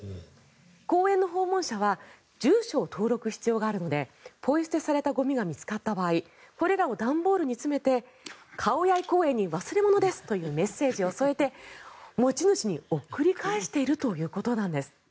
公園の訪問者は住所の登録の必要があるのでポイ捨てされたゴミが見つかった場合これらを段ボールに詰めてカオヤイ公園に忘れ物ですというメッセージを添えて持ち主に送り返しているということです。